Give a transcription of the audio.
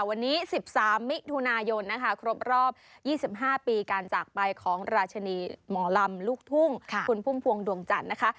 วันนี้๑๓มิทุนายนครบรอบ๒๕ปีการจากไปของราชนีหมอลำลูกธุ้งคุณภูมิภวงดวงจันทร์